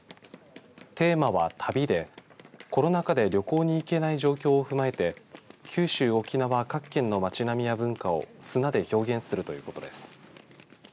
テーマは旅でコロナ禍で旅行に行けない状況を踏まえて九州沖縄各県の町並みや文化を砂で表現するということです。